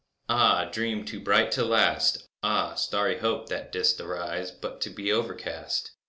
Ah, dream too bright to last! Ah, starry Hope! that didst arise But to be overcast!